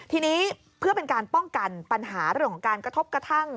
ทีนี้เพื่อเป็นการป้องกันปัญหาเรื่องของการกระทบกระทั่ง